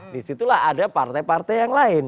disitulah ada partai partai yang lain